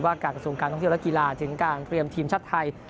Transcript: การกระทรวงการท่องเที่ยวและกีฬาถึงการเตรียมทีมชาติไทย